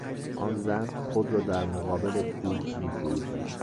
آن زن خود را در مقابل پول میفروشد.